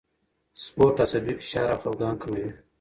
سپورت عصبي فشار او خپګان کموي.